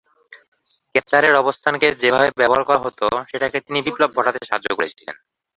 ক্যাচারের অবস্থানকে যেভাবে ব্যবহার করা হতো, সেটাকে তিনি বিপ্লব ঘটাতে সাহায্য করেছিলেন।